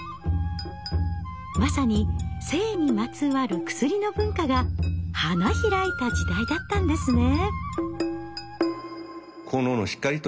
まさに性にまつわる薬の文化が花開いた時代だったんですね。